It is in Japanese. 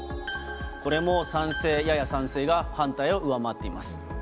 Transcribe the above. これも賛成、やや賛成が反対を上回っています。